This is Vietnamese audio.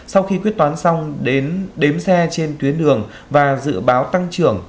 sau khi quyết toán xong đến đếm xe trên tuyến đường và dự báo tăng trưởng